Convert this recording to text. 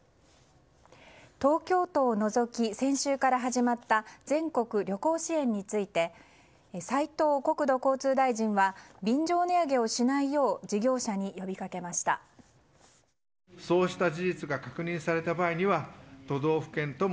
東京都を除き先週から始まった全国旅行支援について斉藤国土交通大臣は便乗値上げをしないよう事業者に呼びかけました。